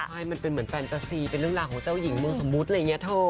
ใช่มันเป็นเหมือนแฟนตาซีเป็นเรื่องราวของเจ้าหญิงเมืองสมุทรเลยเงี้ยโถ